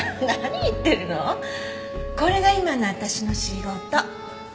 これが今の私の仕事。